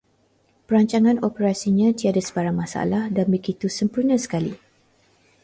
Perancangan operasinya tiada sebarang masalah dan begitu sempurna sekali